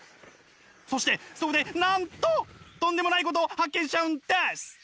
そしてそこでなんととんでもないことを発見しちゃうんです！